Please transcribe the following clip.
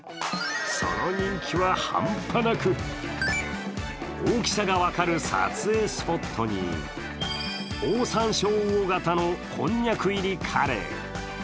その人気はハンパなく大きさが分かる撮影スポットにオオサンショウウオ型のこんにゃく入りカレー。